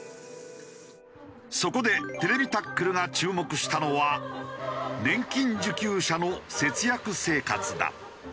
そこで『ＴＶタックル』が注目したのは年金受給者の節約生活だ。